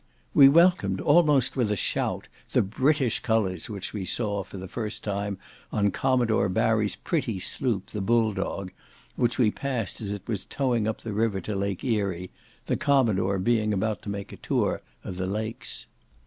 We welcomed, almost with a shout, the British colours which we saw, for the first time, on Commodore Barrie's pretty sloop, the Bull Dog, which we passed as it was towing up the river to Lake Erie, the commodore being about to make a tour of the lakes.